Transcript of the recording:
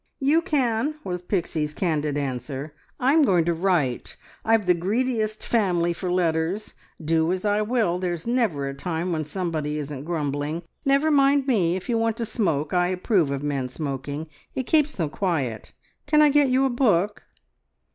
"You can," was Pixie's candid answer; "I'm going to write! I've the greediest family for letters; do as I will, there's never a time when somebody isn't grumbling! Never mind me, if you want to smoke; I approve of men smoking, it keeps them quiet. Can I get you a book?"